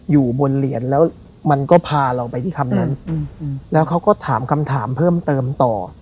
อยู่บนเหรียญแล้วมันก็พาเราไปที่คำนั้นแล้วเขาก็ถามคำถามเพิ่มเติมต่อ